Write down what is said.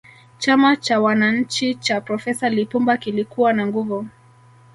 chama cha wananchi cha profesa lipumba kilikuwa na nguvu